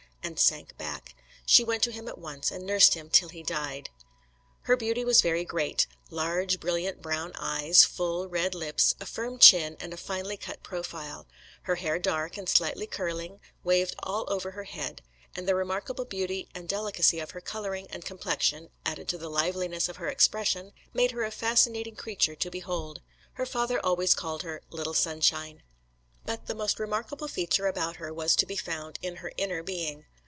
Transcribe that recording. and sank back. She went to him at once, and nursed him till he died. Her beauty was very great: large brilliant, brown eyes, full red lips, a firm chin and a finely cut profile; her hair dark, and slightly curling, waved all over her head; and the remarkable beauty and delicacy of her colouring and complexion, added to the liveliness of her expression, made her a fascinating creature to behold. Her father always called her "Little Sunshine." But the most remarkable feature about her was to be found in her inner being.